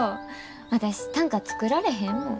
私短歌作られへんもん。